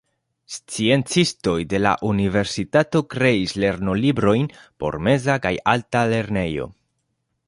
Sciencistoj de la universitato kreis lernolibrojn por meza kaj alta lernejo.